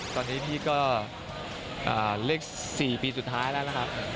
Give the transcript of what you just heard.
ตอนนี้พี่ก็เลข๔ปีสุดท้ายแล้วนะครับ